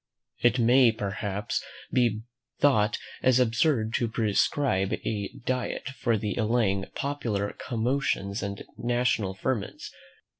It may, perhaps, be thought as absurd to prescribe a diet for the allaying popular commotions and national ferments.